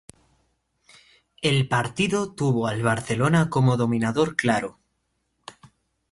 El partido tuvo al Barcelona como dominador claro.